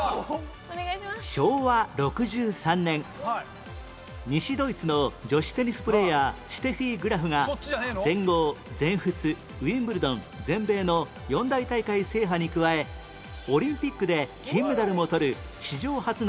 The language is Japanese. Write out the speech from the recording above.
昭和６３年西ドイツの女子テニスプレーヤーシュテフィ・グラフが全豪全仏ウィンブルドン全米の４大大会制覇に加えオリンピックで金メダルも取る史上初の偉業を達成